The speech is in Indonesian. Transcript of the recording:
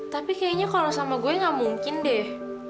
tapi kayaknya kalau sama gue gak mungkin deh